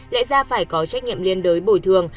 lẽ ra phải có trách nhiệm liên đối bồi thường